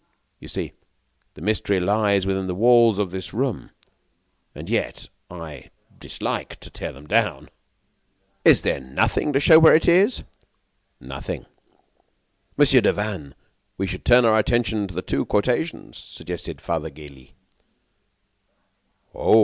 You see, the mystery lies within the walls of this room, and yet I dislike to tear them down." "Is there nothing to show where it is?" "Nothing." "Mon. Devanne, we should turn our attention to the two quotations," suggested Father Gélis. "Oh!"